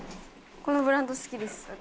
このブランド好きです私。